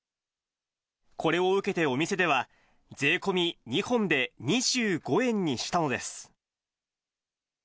これを受けてお店では、税込み２本で２５円にしたのです。